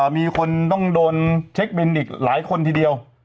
มีคนต้องโดนเช็คบินอีกหลายคนทีเดียว